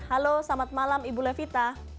halo selamat malam ibu levita